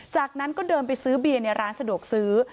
จากนั้นก็เดินไปซื้อเบียร์ในร้านสะดวกซื้อ